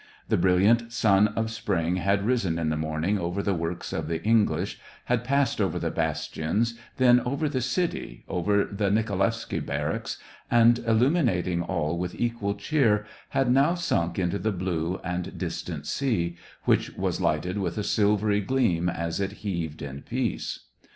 The brilliant sun of spring had risen in the morn ing over the works of the English, had passed over the bastions, then over the city, over the Nikolaevsky barracks, and, illuminating all with equal cheer, had now sunk into the blue and dis tant sea, which was lighted with a silvery gleam as it heaved in peace.